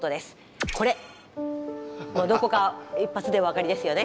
これどこか一発でお分かりですよね？